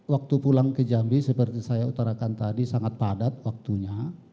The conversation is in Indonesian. waktu pulang ke jambi seperti saya utarakan tadi sangat padat waktunya